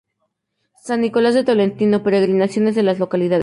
San Nicolás de Tolentino, peregrinaciones de las localidades.